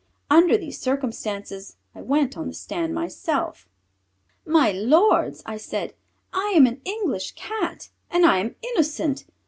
Under these circumstances I went on the stand myself. "My Lords," I said, "I am an English Cat and I am innocent.